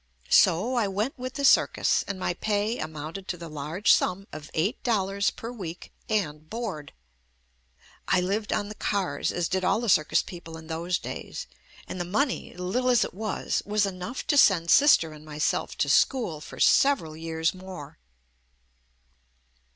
So I went with the circus and my pay amounted to the large sum of eight dollars per week and board. I lived on the cars as did all the circus people in those days, and the money — little as it was — was enough to send sister and myself to school for several years more.